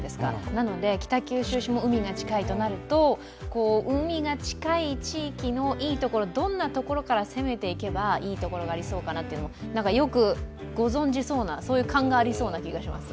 なので北九州市も海が近いとなると、海が近い地域のいいところ、どんなところから攻めていけばいいところがあるかよくご存じそうな感じがします